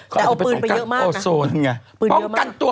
เขาเอาปืนปี่เยอะมากนะ